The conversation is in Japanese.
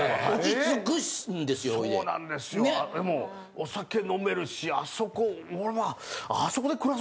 お酒飲めるしあそこ。